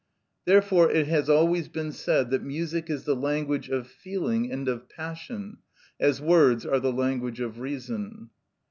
Therefore it has always been said that music is the language of feeling and of passion, as words are the language of reason.